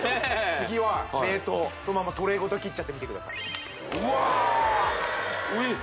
次は冷凍そのまんまトレイごと切っちゃってみてくださいうわえっ